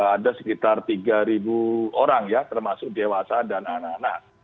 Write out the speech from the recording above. ada sekitar tiga orang ya termasuk dewasa dan anak anak